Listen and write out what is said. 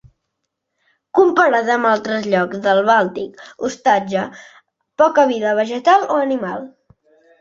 Comparada amb altres llocs del Bàltic hostatja poca vida vegetal o animal.